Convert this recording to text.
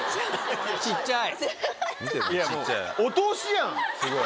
小っちゃい。